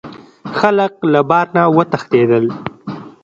خلک له بار نه وتښتیدل.